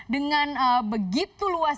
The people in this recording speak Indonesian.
dengan begitu luas